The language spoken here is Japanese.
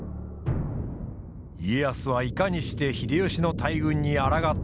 家康はいかにして秀吉の大軍にあらがったのか。